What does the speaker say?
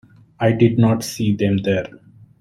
I did not see them there.